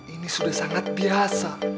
ini sudah sangat biasa